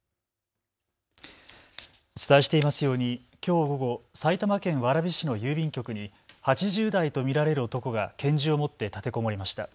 お伝えしていますようにきょう午後、埼玉県蕨市の郵便局に８０代と見られる男が拳銃を持って立てこもりました。